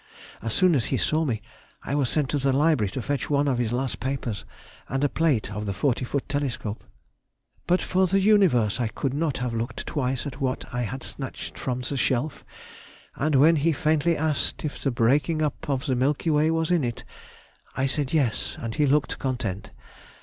As soon as he saw me, I was sent to the library to fetch one of his last papers and a plate of the forty foot telescope. But for the universe I could not have looked twice at what I had snatched from the shelf, and when he faintly asked if the breaking up of the Milky Way was in it, I said "Yes," and he looked content.